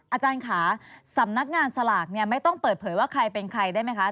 อาจารย์ค่ะสำนักงานสลากเนี่ยไม่ต้องเปิดเผยว่าใครเป็นใครได้ไหมคะ